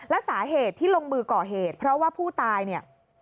และสาเหตุที่ลงมือก่อเหตุเพราะว่าผู้ตายเนี่ย